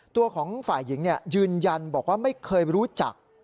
ตัวของฝ่ายหญิงยืนยันบอกว่าไม่เคยรู้จัก